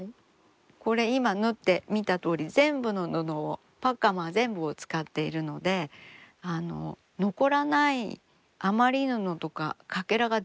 これ今縫って見たとおり全部の布をパッカマー全部を使っているので残らない余り布とかかけらが出ないですよね。